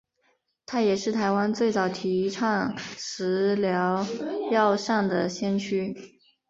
他也是台湾最早提倡食疗药膳的先驱。